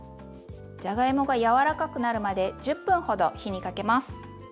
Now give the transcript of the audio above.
じゃがいもが柔らかくなるまで１０分ほど火にかけます。